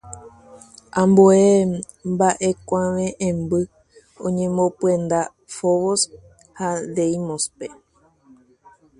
Otras propuestas están basadas en Fobos y Deimos.